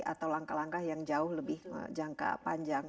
atau langkah langkah yang jauh lebih jangka panjang